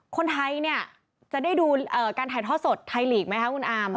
คนไทยเนี่ยจะได้ดูการถ่ายทอดสดไทยลีกไหมคะคุณอาม